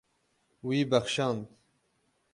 Wî bexşand.